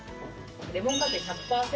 レモン果汁１００％。